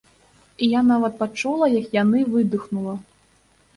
І я нават пачула, як яны выдыхнула.